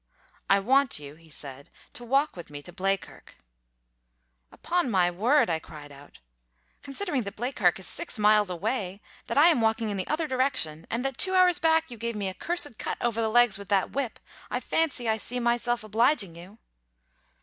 "I want you," he said, "to walk back with me to Bleakirk." "Upon my word!" I cried out. "Considering that Bleakirk is six miles away, that I am walking in the other direction, and that, two hours back, you gave me a cursed cut over the legs with that whip, I fancy I see myself obliging you!"